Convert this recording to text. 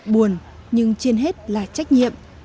buồn nhưng trên hết là trách nhiệm